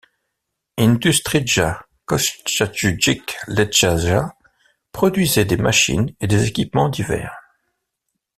Industrija kotrljajućih ležaja produisait des machines et des équipements divers.